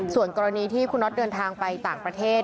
ส่วนกรณีที่คุณน็อตเดินทางไปต่างประเทศ